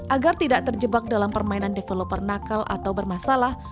agar tidak terjebak dalam permainan developer nakal atau bermasalah